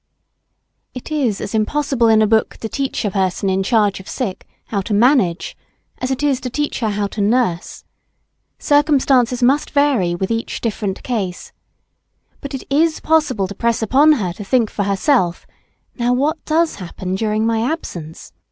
It is as impossible in a book to teach a person in charge of sick how to manage, as it is to teach her how to nurse. Circumstances must vary with each different case. But it is possible to press upon her to think for herself: Now what does happen during my absence?